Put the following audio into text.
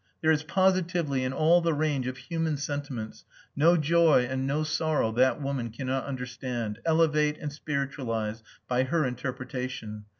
There is positively in all the range of human sentiments no joy and no sorrow that woman cannot understand, elevate, and spiritualize by her interpretation.